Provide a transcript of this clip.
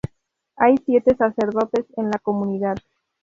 Hay siete sacerdotes en la comunidad.